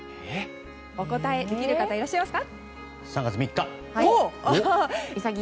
お答えできる方いらっしゃいますか？